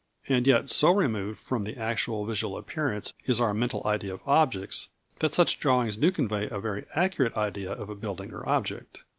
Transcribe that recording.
And yet so removed from the actual visual appearance is our mental idea of objects that such drawings do convey a very accurate idea of a building or object.